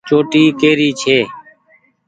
چوٽي ڪي ري ڇي۔